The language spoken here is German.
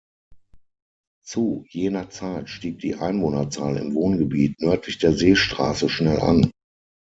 Zu jener Zeit stieg die Einwohnerzahl im Wohngebiet nördlich der Seestraße schnell an.